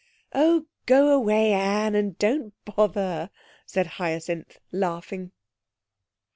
'Oh, go away, Anne, and don't bother,' said Hyacinth, laughing.